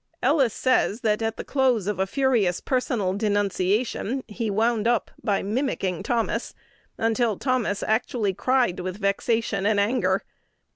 Ellis says, that, at the close of a furious personal denunciation, he wound up by "mimicking" Thomas, until Thomas actually cried with vexation and anger.